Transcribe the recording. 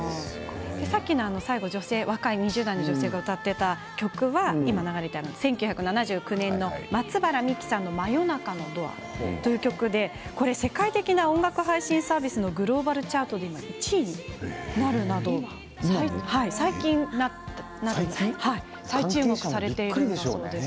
さっきの女性若い２０代の女性が歌っていた曲は１９７９年の松原みきさんの「真夜中のドア」という曲で世界的な音楽配信サービスのグローバルチャートで１位になるなど最近、再注目されているんだそうです。